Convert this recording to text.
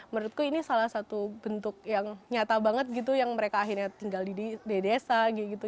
menurutku ini salah satu bentuk yang nyata banget gitu yang mereka akhirnya tinggal di desa kayak gitu